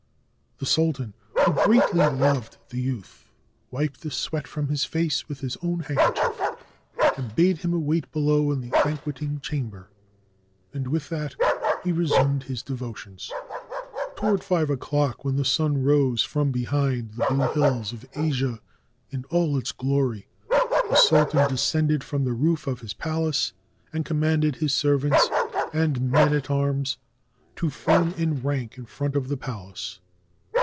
The sultan, who greatly loved the youth, wiped the sweat from his face with his own handkerchief, and bade him await him below in the banqueting chamber. And with that he resumed his devotions. Towards five o'clock, when the sun rose from behind the blue hills of Asia in all its glory, the sultan descended from the roof of his palace and commanded his servants and men at arms to form in rank in front of the palace.